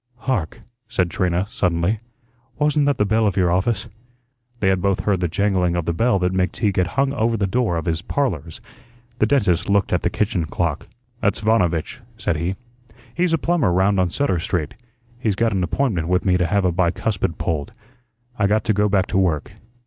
"Hark," said Trina, suddenly. "Wasn't that the bell of your office?" They had both heard the jangling of the bell that McTeague had hung over the door of his "Parlors." The dentist looked at the kitchen clock. "That's Vanovitch," said he. "He's a plumber round on Sutter Street. He's got an appointment with me to have a bicuspid pulled. I got to go back to work."